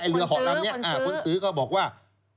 คนซื้อคนซื้อเขาบอกว่า